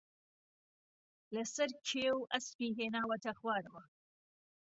لەسەر کێو ئەسپی ھێناوەتە خوارەوە